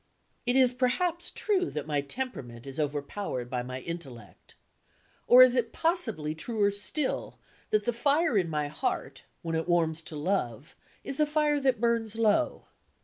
It is perhaps true that my temperament is overpowered by my intellect. Or it is possibly truer still that the fire in my heart, when it warms to love, is a fire that burns low.